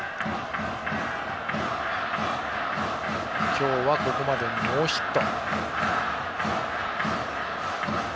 今日はここまでノーヒット。